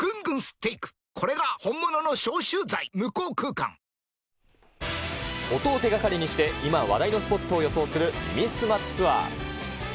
完全に、こんこんこんやって音を手がかりにして、今、話題のスポットを予想する耳すまツアー。